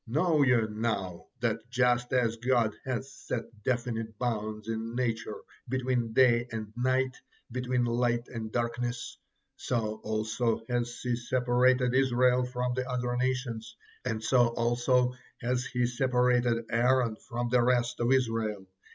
Know ye now that just as God has set definite bounds in nature between day and night, between light and darkness, so also has He separated Israel from the other nations, and so also has he separated Aaron from the rest of Israel.